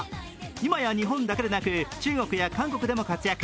今や日本だけでなく、韓国や中国でも活躍。